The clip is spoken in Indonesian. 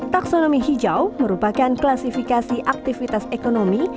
taksonomi hijau merupakan klasifikasi aktivitas ekonomi